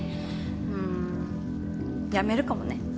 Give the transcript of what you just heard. うーん辞めるかもね。